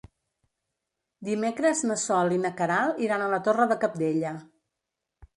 Dimecres na Sol i na Queralt iran a la Torre de Cabdella.